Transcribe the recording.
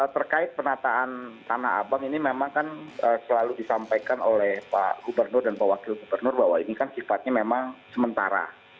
terkait penataan tanah abang ini memang kan selalu disampaikan oleh pak gubernur dan pak wakil gubernur bahwa ini kan sifatnya memang sementara